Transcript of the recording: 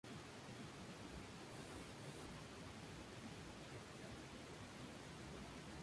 El pueblo prerromano que habitaron estos valles fueron los vacceos.